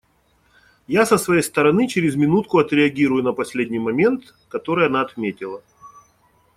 Я, со своей стороны, через минутку отреагирую на последний момент, который она отметила.